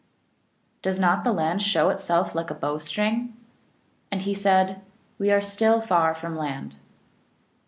Does not the land show itself like a bow string ?" And he said, " We are still far from land."